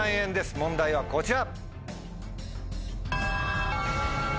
問題はこちら。